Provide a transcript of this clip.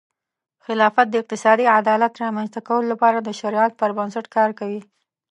خلافت د اقتصادي عدالت رامنځته کولو لپاره د شریعت پر بنسټ کار کوي.